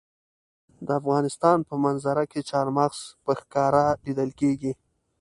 د افغانستان په منظره کې چار مغز په ښکاره لیدل کېږي.